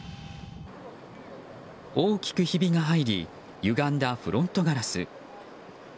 大きくひびが入りゆがんだフロントガラス。